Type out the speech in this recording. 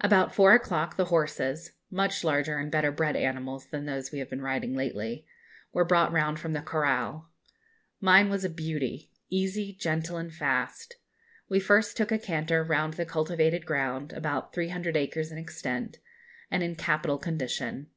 About four o'clock the horses much larger and better bred animals than those we have been riding lately were brought round from the corral. Mine was a beauty; easy, gentle, and fast. We first took a canter round the cultivated ground, about 300 acres in extent, and in capital condition.